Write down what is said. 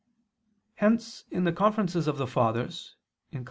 Hence in the Conferences of the Fathers (Coll.